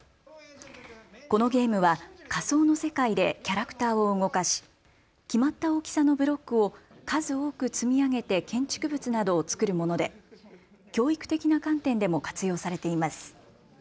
このゲームは仮想の世界でキャラクターを動かし決まった大きさのブロックを数多く積み上げて建築物などをつくるもので教育的な観点でも活用されています。